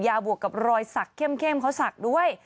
ยาบวกกับรอยสักเข้มเขาสักด้วย